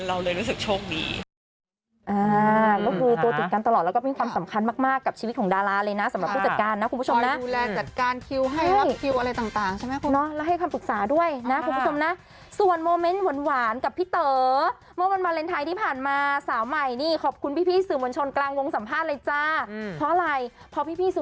อันนี้เราเลยรู้สึกโชคดี